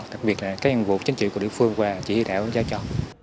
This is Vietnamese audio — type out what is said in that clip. đặc biệt là các nhiệm vụ chính trị của địa phương và chỉ huy đảo giao cho